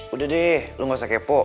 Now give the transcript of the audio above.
udah deh lu gak usah kepo